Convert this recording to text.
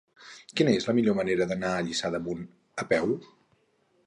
Quina és la millor manera d'anar a Lliçà d'Amunt a peu?